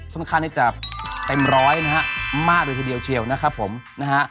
ค่อนข้างที่จะเต็มร้อยนะฮะมากเลยทีเดียวเชียวนะครับผมนะฮะ